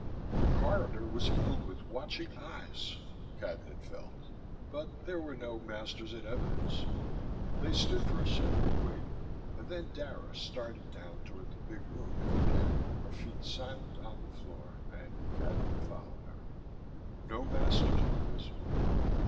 The corridor was filled with watching eyes, Cadnan felt: but there were no masters in evidence. They stood for a second, waiting, and then Dara started down toward the big room at the end, her feet silent on the floor, and Cadnan followed her. No masters were visible.